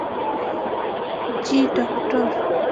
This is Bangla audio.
জি, ডক্টর।